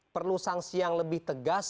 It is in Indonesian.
perlu sanksi yang lebih tegas